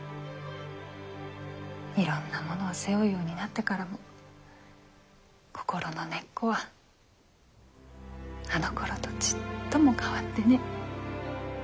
いろんなものを背負うようになってからも心の根っこはあのころとちっとも変わってねぇ。